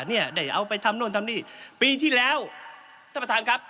เนี่ยได้เอาไปทำโน่นทำนี่ปีที่แล้วท่านประธานครับ